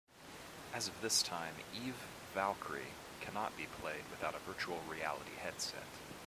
As of this time, Eve: Valkyrie cannot be played without a virtual reality headset.